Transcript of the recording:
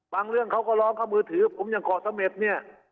บางเรื่องเขาก็ล้อมเข้ามือถือผมยังเกาะสมมติเนี่ย